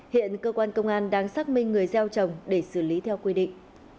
hiện cơ quan công an đang xác minh người gieo trồng để xử lý theo quy định